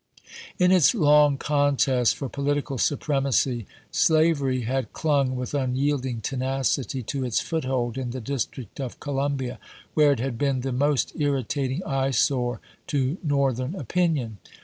In its long contest for political supremacy, slavery had clung with unyielding tenacity to its foothold in the District of Columbia, where it had been the most irritating eyesore to Northern opinion.